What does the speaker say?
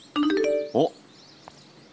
おっ。